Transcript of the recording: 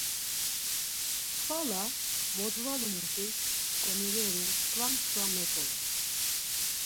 Xvala modvalumuşis tzǩomileri mskva mskva meǩulun.